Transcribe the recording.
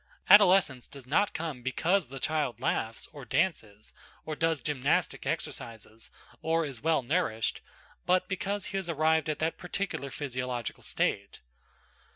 Adolescence does not come because the child laughs, or dances, or does gymnastic exercises, or is well nourished; but because he has arrived at that particular physiological state.